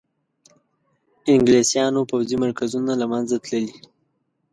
انګلیسیانو پوځي مرکزونه له منځه تللي.